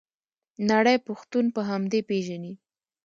نړۍ پښتون په همدې پیژني.